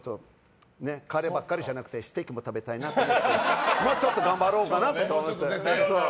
カレーばっかりじゃなくてステーキも食べたいなと思ってもうちょっと頑張ろうかなと。